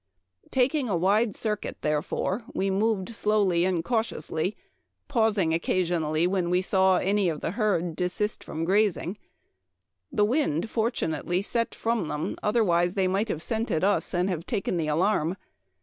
Taking a wide circuit, therefore, we moved slowly and cautiously, pausing occasion Memoir of Washington Irving. 223 ally when we saw any of the herd desist from grazing. The wind fortunately set from them, otherwise they might have scented us and have taken the alarm.